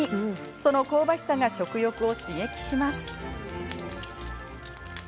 その香ばしさが食欲を刺激します。